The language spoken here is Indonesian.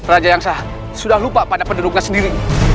raja yang sah sudah lupa pada penduduknya sendiri